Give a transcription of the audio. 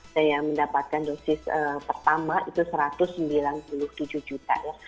dan yang mendapatkan dosis pertama itu satu ratus sembilan puluh tujuh juta ya